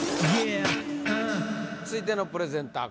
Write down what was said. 続いてのプレゼンター